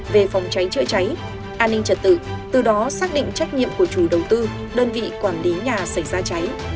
về phòng cháy chữa cháy an ninh trật tự từ đó xác định trách nhiệm của chủ đầu tư đơn vị quản lý nhà xảy ra cháy